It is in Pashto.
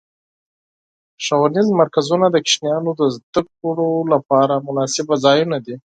ښوونیز مرکزونه د ماشومانو د زدهکړو لپاره مناسب ځایونه دي.